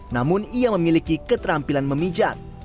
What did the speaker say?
namun ia memiliki keterampilan memijat